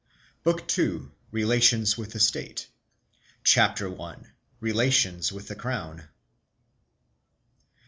BOOK II. RELATIONS WITH THE STATE. CHAPTER I. RELATIONS WITH THE CROWN.